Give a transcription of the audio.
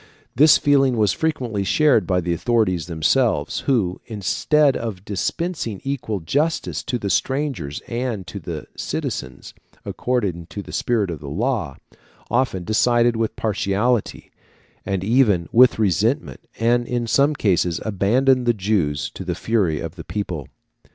This feeling was frequently shared by the authorities themselves, who, instead of dispensing equal justice to the strangers and to the citizens, according to the spirit of the law, often decided with partiality, and even with resentment, and in some cases abandoned the Jews to the fury of the people.